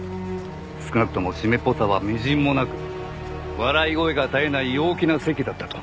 少なくとも湿っぽさはみじんもなく笑い声が絶えない陽気な席だったと。